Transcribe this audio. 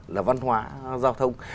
là văn hóa giao thông